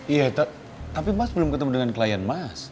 iya tapi mas belum ketemu dengan klien mas